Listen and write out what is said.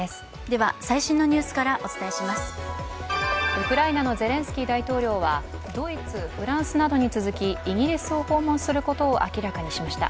ウクライナのゼレンスキー大統領はドイツ、フランスなどに続きイギリスを訪問することを明らかにしました。